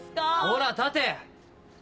ほら立て！